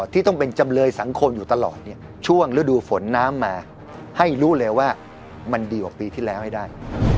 ที่ต้องเป็นจำเลยสังคมอยู่ตลอดช่วงฤดูฝนน้ำมาให้รู้เลยว่ามันดีกว่าปีที่แล้วให้ได้